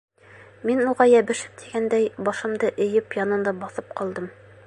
Мин уға йәбешеп тигәндәй, башымды эйеп янында баҫып ҡалдым.